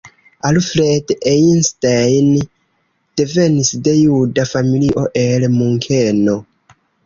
Alfred Einstein devenis de juda familio el Munkeno.